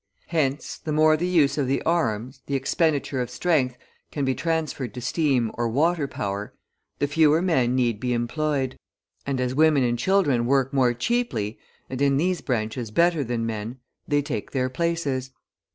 Hence, the more the use of the arms, the expenditure of strength, can be transferred to steam or water power, the fewer men need be employed; and as women and children work more cheaply, and in these branches better than men, they take their places.